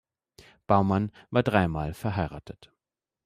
Baumann war dreimal verheiratet.